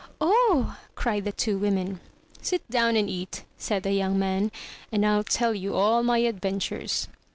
"Oh h h h!" cried the two women. "Sit down and eat," said the young man, "and Til tell you all my adventures."